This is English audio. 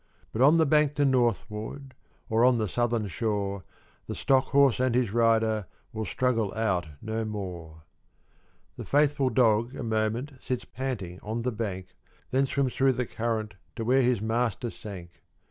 But on the bank to northward, Or on the southern shore, The stock horse and his rider Will struggle out no more. The faithful dog a moment Sits panting on the bank, And then swims through the current To where his master sank.